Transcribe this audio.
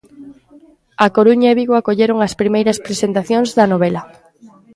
A Coruña e Vigo acolleron as primeiras presentacións da novela.